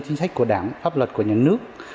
chính sách của đảng pháp luật của nhà nước